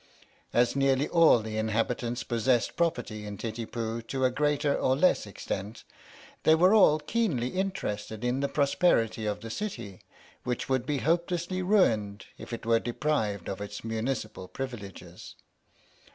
As nearly all the inhabitants possessed property in Titipu to a greater or less extent, they were all keenly interested in the prosperity of the city, which would be hope lessly ruined if it were deprived of its Municipal privileges.